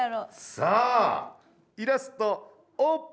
さあイラストオープン。